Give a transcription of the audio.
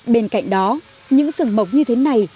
bên cạnh đó những sừng mộc như thế này